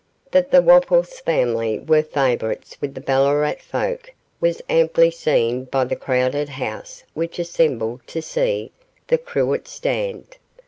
That the Wopples family were favourites with the Ballarat folk was amply seen by the crowded house which assembled to see 'The Cruet Stand'.